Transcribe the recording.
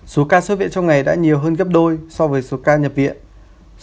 số ca xuất viện trong ngày đã nhiều hơn gấp đôi so với số ca nhập viện